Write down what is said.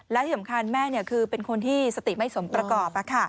และที่สำคัญแม่คือเป็นคนที่สติไม่สมประกอบ